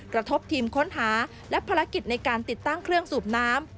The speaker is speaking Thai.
กระทบทีมค้นหาและภารกิจในการติดตั้งเครื่องสูบน้ำ